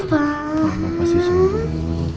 mama pasti sembuh